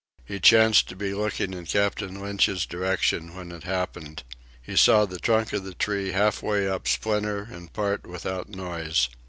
He chanced to be looking in Captain Lynch's direction when it happened. He saw the trunk of the tree, half way up, splinter and part without noise.